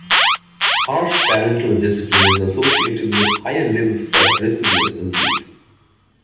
Harsh parental discipline is associated with higher levels of aggressiveness in youth.